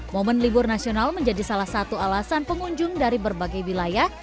momen libur nasional menjadi salah satu alasan pengunjung dari berbagai wilayah